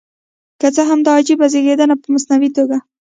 که څه هم دا عجیب زېږېدنه په مصنوعي توګه.